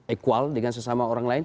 equal dengan sesama orang lain